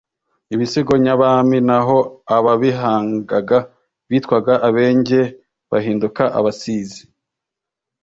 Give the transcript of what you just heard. Ibisigo nyabami'' naho abababihangaga bitwaga Abenge, bahinduka Abasizi.